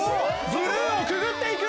ブルーをくぐっていく！